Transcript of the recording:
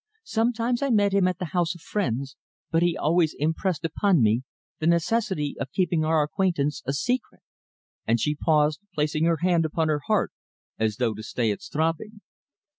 Sometimes I met him at the houses of friends, but he always impressed upon me the necessity of keeping our acquaintance a secret." And she paused, placing her hand upon her heart as though to stay its throbbing.